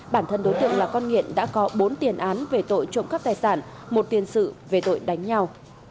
bản thân đối tượng là con nghiện đã có bốn tiền án về tội trộm cắp tài sản một tiền sự về tội đánh nhau